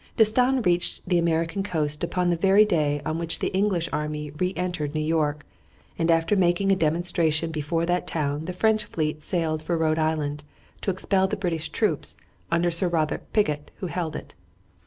D'Estaing reached the American coast upon the very day on which the English army re entered New York, and after making a demonstration before that town the French fleet sailed for Rhode Island to expel the British troops, under Sir Robert Pigott, who held it.